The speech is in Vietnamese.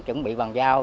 chuẩn bị bằng dao